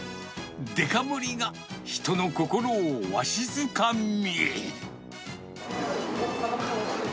デカ盛りが人の心をわしづかみ。